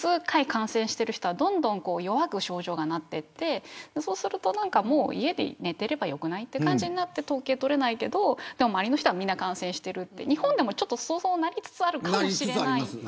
感染している人はどんどん弱く症状がなっていってそうすると家で寝ていればよくないという感じになって統計取れないけど、周りの人はみんな感染している日本でもそうなりつつあるかもしれない。